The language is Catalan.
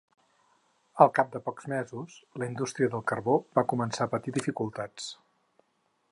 Al cap de pocs mesos, la indústria del carbó va començar a patir dificultats.